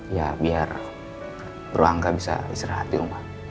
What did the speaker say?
ya biar bro angga bisa istirahat di rumah